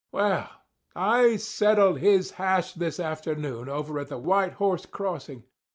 Well, I settled his hash this afternoon over at the White Horse Crossing.